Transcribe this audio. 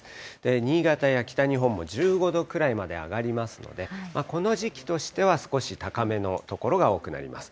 新潟や北日本も１５度くらいまで上がりますので、この時期としては少し高めの所が多くなります。